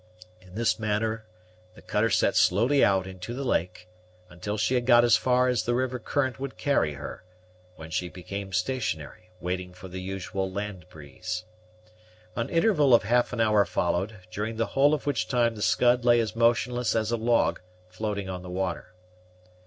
In this manner the cutter set slowly out into the lake, until she had got as far as the river current would carry her, when she became stationary, waiting for the usual land breeze. An interval of half an hour followed, during the whole of which time the Scud lay as motionless as a log, floating on the water.